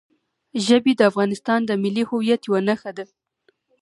ژبې د افغانستان د ملي هویت یوه نښه ده.